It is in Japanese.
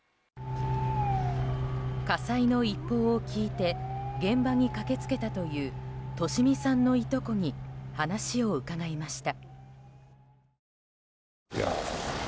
火災の一報を聞いて現場に駆け付けたという利美さんのいとこに話を伺いました。